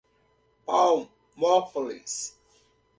Palmópolis